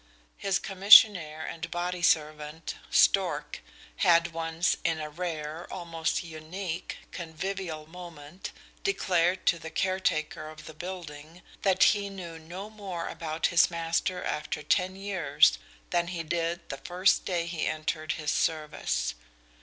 His commissionaire and body servant, Stork, had once, in a rare almost unique convivial moment, declared to the caretaker of the building that he knew no more about his master after ten years than he did the first day he entered his service.